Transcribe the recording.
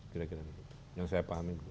kira kira yang saya pahami